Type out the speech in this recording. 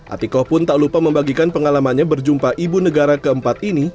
atikoh pun tak lupa membagikan pengalamannya berjumpa ibu negara keempat ini